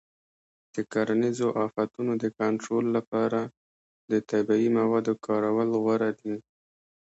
د کرنیزو آفتونو د کنټرول لپاره د طبیعي موادو کارول غوره دي.